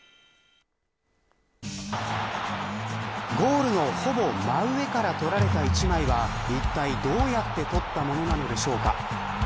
ゴールのほぼ真上から撮られた１枚はいったい、どうやって撮ったものなのでしょうか。